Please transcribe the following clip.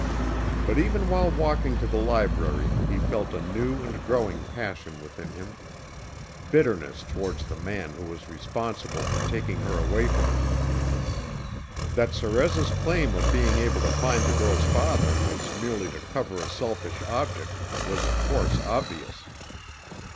But even while walking to the library he felt a new and growing passion within him: bitterness towards the man who was responsible for taking her away from him. That Sorez' claim of being able to find the girl's father was merely to cover a selfish object was of course obvious.